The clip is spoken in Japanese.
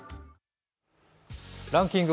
ランキング